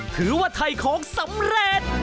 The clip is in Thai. ถือว่าถ่ายของสำเร็จ